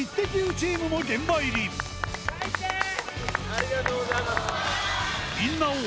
・ありがとうございます。